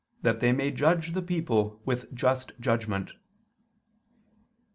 that they may judge the people with just judgment."